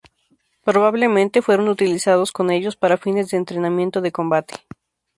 Probablemente fueron utilizados con ellos para fines de entrenamiento de combate.